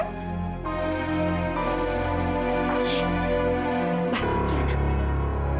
banget sih anak